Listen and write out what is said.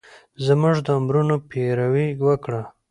زمونږ د امرونو پېروي وکړه